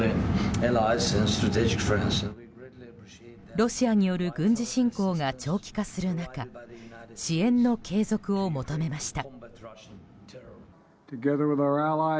ロシアによる軍事侵攻が長期化する中支援の継続を求めました。